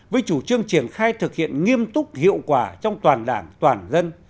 với chủ trương triển khai thực hiện nghiêm túc hiệu quả trong toàn đảng toàn dân